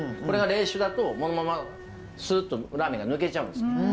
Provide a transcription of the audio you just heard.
これが冷酒だとこのままスッとラーメンが抜けちゃうんです。